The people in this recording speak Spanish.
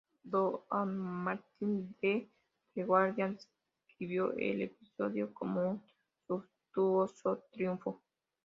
Dan Martin de "The Guardian" describió el episodio como un "suntuoso triunfo".